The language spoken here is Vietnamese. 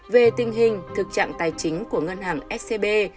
về tình hình thực trạng tài chính của ngân hàng scb